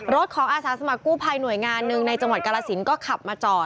รถของอาสาสมัครกู้ภัยหน่วยงานหนึ่งในจังหวัดกาลสินก็ขับมาจอด